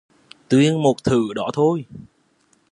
Tuyền một thứ đó thôi